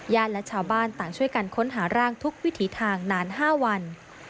และชาวบ้านต่างช่วยกันค้นหาร่างทุกวิถีทางนาน๕วัน